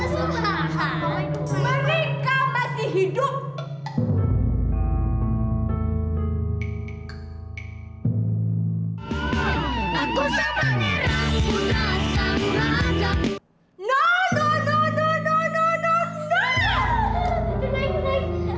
tidak tidak tidak tidak tidak tidak